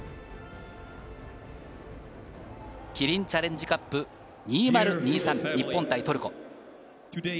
キリンチャレンジカップ２０２３、日本対トルコ。